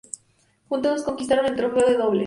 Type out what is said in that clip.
Juntos conquistaron el trofeo de dobles.